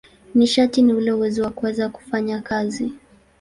Nishati ni ule uwezo wa kuweza kufanya kazi.